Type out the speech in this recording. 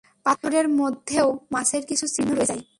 পাথরের মধ্যেও মাছের কিছু চিহ্ন রয়ে যায়।